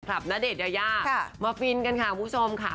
ณเดชนยายามาฟินกันค่ะคุณผู้ชมค่ะ